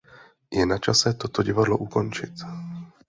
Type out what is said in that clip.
Je načase toto divadlo ukončit.